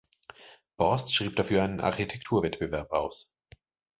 Borst schrieb dafür einen Architekturwettbewerb aus.